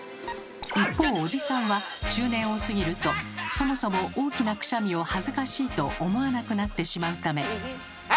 一方おじさんは中年を過ぎるとそもそも「大きなくしゃみは恥ずかしい」と思わなくなってしまうため。